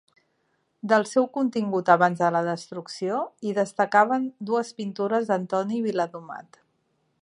Del seu contingut abans de la destrucció hi destacaven dues pintures d'Antoni Viladomat.